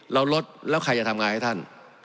เราลดแล้วใครจะทำงานให้ท่าน